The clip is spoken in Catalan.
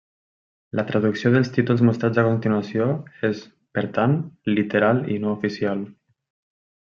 La traducció dels títols mostrats a continuació és, per tant, literal i no oficial.